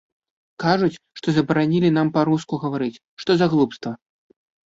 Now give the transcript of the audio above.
Кажуць, што забаранілі нам па-руску гаварыць, што за глупства.